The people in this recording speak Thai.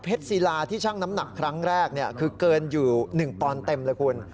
ศิลาที่ชั่งน้ำหนักครั้งแรกคือเกินอยู่๑ปอนด์เต็มเลยคุณ